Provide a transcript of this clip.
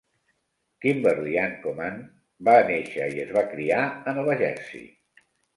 Kimberly Ann Komando va néixer i es va criar a Nova Jersey.